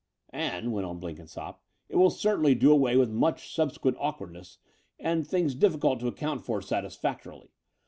"And," went on Blenkinsopp, "it will certainly do away with much subsequent awkwardness and things difficult to account for satisfactorily.